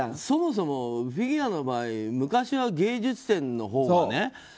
そもそもフィギュアの場合は昔は芸術点のほうがね。